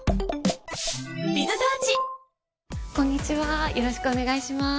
こんにちはよろしくお願いします。